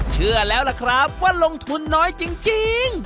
เชื่อแล้วล่ะครับว่าลงทุนน้อยจริง